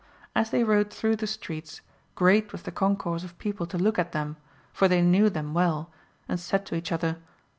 As they rode through the streets, gi'eat was the con course of people to look at them, for they knew them well, and said to each other.